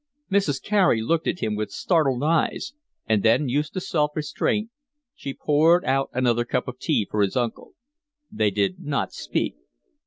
Mrs. Carey looked at him with startled eyes, and then, used to self restraint, she poured out another cup of tea for his uncle. They did not speak.